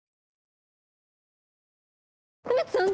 梅津さん！？